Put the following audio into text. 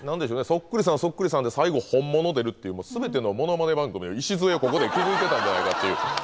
そっくりさんはそっくりさんで最後本物出るっていう全てのものまね番組の礎をここで築いてたんじゃないかっていう。